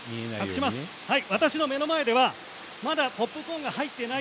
私の目の前ではまだポップコーンが入っていない。